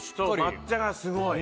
抹茶がすごい。